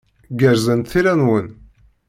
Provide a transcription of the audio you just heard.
Gerrzent tira-nwen.